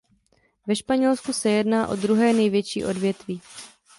Ve Španělsku se jedná o druhé největší odvětví.